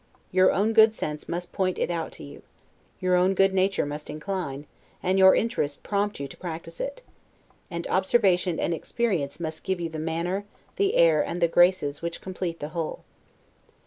Your own good sense must point it out to you; your own good nature must incline, and your interest prompt you to practice it; and observation and experience must give you the manner, the air and the graces which complete the whole.